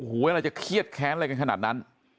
โห้ยังไงจะเครียดแข้นอะไรขนาดนั้น